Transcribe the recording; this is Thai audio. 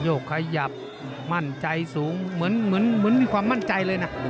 ขยับมั่นใจสูงเหมือนมีความมั่นใจเลยนะ